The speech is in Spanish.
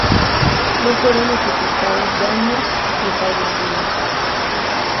No fueron notificados daños ni fallecidos.